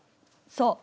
そう。